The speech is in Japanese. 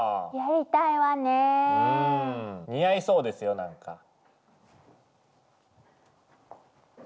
似合いそうですよなんか。